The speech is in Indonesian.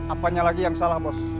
apanya lagi yang salah bos